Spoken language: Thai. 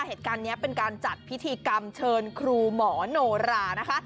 เหตุการณ์นี้เป็นการจัดพิธีกรรมเชิญครูหมอโนรานะคะ